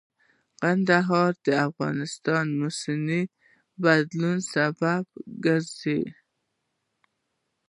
کندهار د افغانستان د موسم د بدلون سبب کېږي.